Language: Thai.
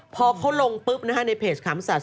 พอเขาลงปุ๊บนะฮะในเพจขำสัตว